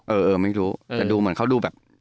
เออเออไม่รู้แต่ดูเหมือนเขาดูแบบ